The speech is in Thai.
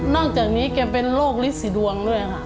จากนี้แกเป็นโรคลิสีดวงด้วยค่ะ